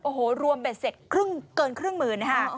โอ้โหรวมเบ็ดเสร็จเกินครึ่งหมื่นนะฮะ